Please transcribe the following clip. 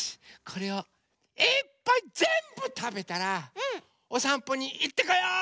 これをいっぱいぜんぶたべたらおさんぽにいってこよう！